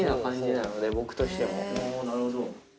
なるほど。